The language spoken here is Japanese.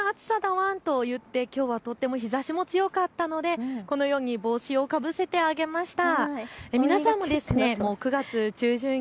ワンと言って、きょうはとっても日ざしも強かったのでこのように帽子をかぶせてあげました。